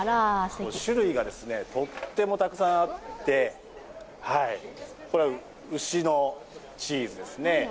種類がとってもたくさんあって牛のチーズですね。